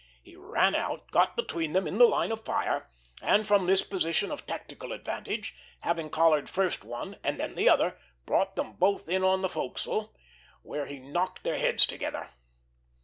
He ran out, got between them in the line of fire, and from this position of tactical advantage, having collared first one and then the other, brought them both in on the forecastle, where he knocked their heads together.